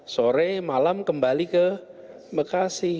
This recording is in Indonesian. sore malam kembali ke bekasi